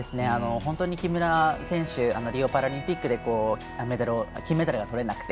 本当に木村選手リオパラリンピックで金メダルがとれなくて。